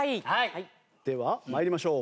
では参りましょう。